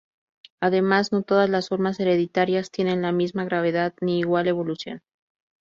Además no todas las formas hereditarias tienen la misma gravedad ni igual evolución.